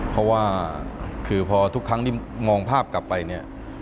เพราะว่าคือพอทุกครั้งที่มองภาพกลับไปเนี่ย